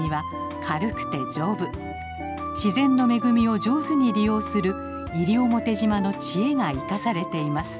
自然の恵みを上手に利用する西表島の知恵が生かされています。